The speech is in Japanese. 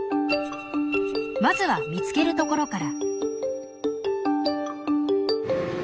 まずは見つけるところから。